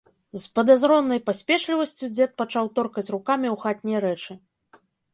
З падазронай паспешлівасцю дзед пачаў торкаць рукамі ў хатнія рэчы.